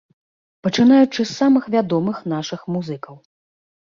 Пачынаючы з самых вядомых нашых музыкаў.